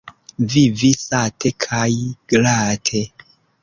Vivi sate kaj glate.